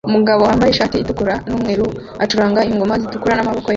Umugabo wambaye ishati itukura numweru acuranga ingoma zitukura n'amaboko ye